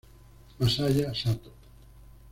Masaya Sato